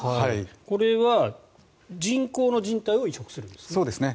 これは人工のじん帯を移植するんですね？